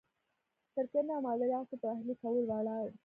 د کرنې او مالدارۍ عصر پر اهلي کولو ولاړ دی.